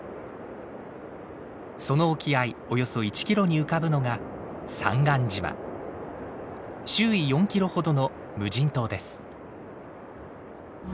その沖合およそ１キロに浮かぶのが周囲４キロほどの無人島です。